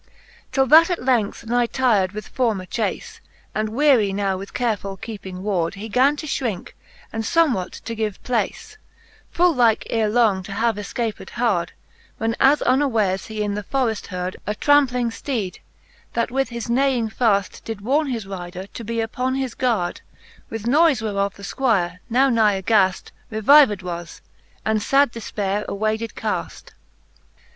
Till that at length nigh tyrd with former chace, And weary now with carefull keeping ward, He gan to fhrinke, and fomewhat to give place, Full like ere long to have efcaped hard ; When as unwares he in the forreft heard A trampling fteede, that with his neighing faft Did warne his rider be uppon his gard ; With noife whereof the Squire now nigh aghaft, Revived was, and fad difpaire away did caft.